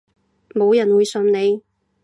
冇人會信你